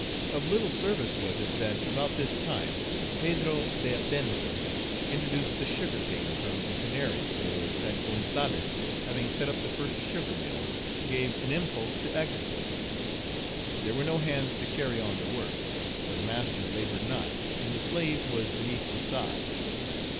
Of little service was it that, about this time, Pedro d'Atenza introduced the sugar cane from the Canaries, or that Gonzalez, having set up the first sugar mill, gave an impulse to agriculture; there were no hands to carry on the works, for the master labored not, and the slave was beneath the sod.